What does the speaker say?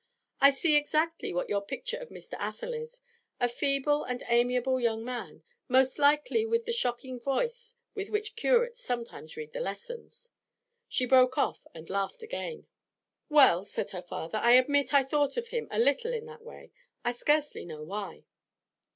I see exactly what your picture of Mr. Athel is: a feeble and amiable young man, most likely with the shocking voice with which curates sometimes read the lessons ' She broke off and laughed again. 'Well,' said her father, 'I admit I thought of him a little in that way I scarcely know why.'